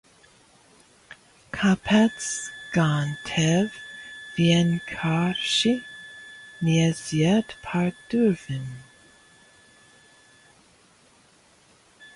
Kāpēc gan tev vienkārši neiziet pa durvīm?